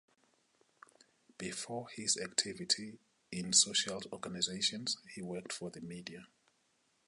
Before his activity in social organizations he worked for the media.